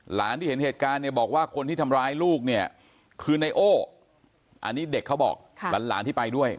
หลานที่เห็นเหตุการณ์เนี่ยบอกว่าคนที่ทำร้ายลูกเนี่ยคือไนโอ้อันนี้เด็กเขาบอกหลานที่ไปด้วย